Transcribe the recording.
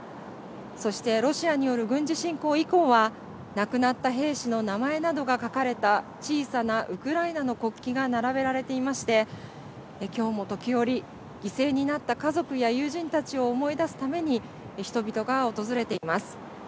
そしてロシアによる軍事侵攻以降は亡くなった兵士の名前などが書かれた小さなウクライナの国旗が並べられていまして今日も時折、犠牲になった家族や友人たちを思い出すために人々が訪れています。